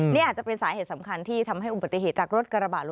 นี่อาจจะเป็นสาเหตุสำคัญที่ทำให้อุบัติเหตุจากรถกระบาด